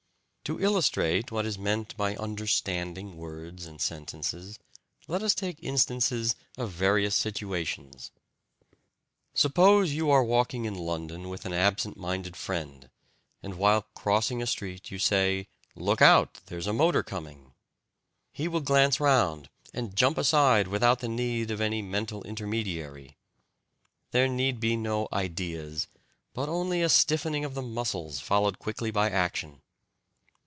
To illustrate what is meant by "understanding" words and sentences, let us take instances of various situations. Suppose you are walking in London with an absent minded friend, and while crossing a street you say, "Look out, there's a motor coming." He will glance round and jump aside without the need of any "mental" intermediary. There need be no "ideas," but only a stiffening of the muscles, followed quickly by action.